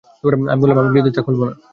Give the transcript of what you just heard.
আমি বললাম, আমি কিছুতেই তা খুলব না।